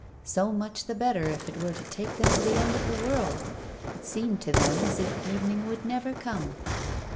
So much the better if it were to take them to the end of the world! It seemed to them as if evening would never come.